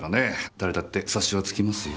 誰だって察しはつきますよ。